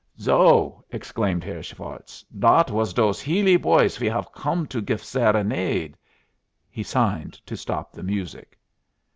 "So!" exclaimed Herr Schwartz. "Dot was dose Healy boys we haf come to gif serenade." He signed to stop the music.